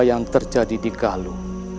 yang terjadi di galu